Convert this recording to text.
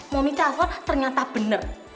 momi telepon ternyata bener